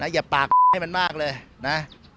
อย่าปากให้มันมากเลยนะ